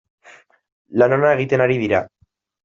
Lan ona egiten ari dira.